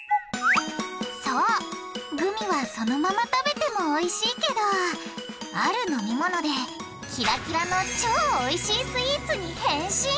そうグミはそのまま食べてもおいしいけどある飲み物でキラキラの超おいしいスイーツに変身！